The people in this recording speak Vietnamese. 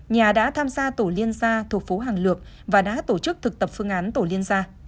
nhà đã tham gia tổ liên gia thuộc phố hàng lược và đã tổ chức thực tập phương án tổ liên gia